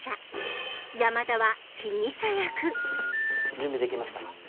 準備できました。